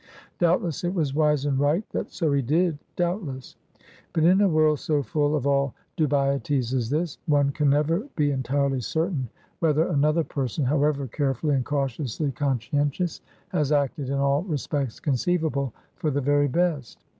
Doubtless, it was wise and right that so he did; doubtless: but in a world so full of all dubieties as this, one can never be entirely certain whether another person, however carefully and cautiously conscientious, has acted in all respects conceivable for the very best.